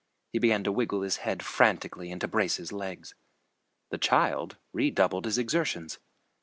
He began to wiggle his head frantically and to brace his legs. The child redoubled his exertions.